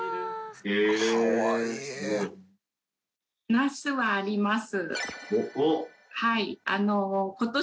那須はあります。